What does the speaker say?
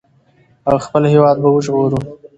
او خپل هېواد به وژغورو.